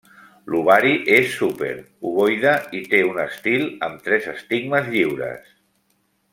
L'ovari és super, ovoide i té un estil amb tres estigmes lliures.